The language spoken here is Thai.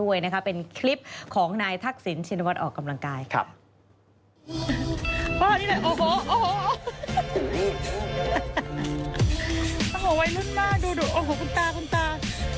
อ๋อวัยรุ่นมากดูโอ้โฮคุณตาคุณตา